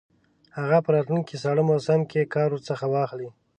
هغه په راتلونکي ساړه موسم کې کار ورڅخه واخلي.